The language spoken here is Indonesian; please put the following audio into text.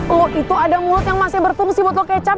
lu itu ada mulut yang masih bertungsi botol kecap